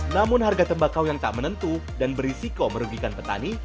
namun harga tembakau yang tak menentu dan berisiko merugikan petani